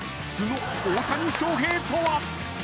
素の大谷翔平とは。